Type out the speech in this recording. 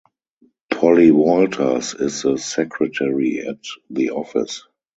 Polly Walters is the secretary at the office.